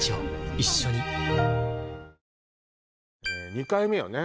２回目よね？